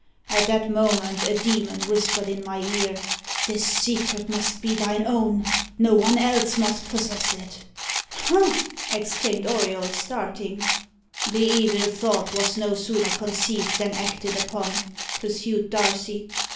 At that moment a demon whispered in my ear, 'This secret must be thine own. No one else must possess it.'" "Ha!" exclaimed Auriol, starting. "The evil thought was no sooner conceived than acted upon," pursued Darcy.